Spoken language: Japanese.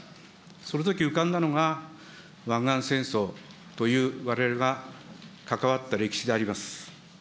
そのとき浮かんだのが湾岸戦争というわれわれが関わった歴史であります。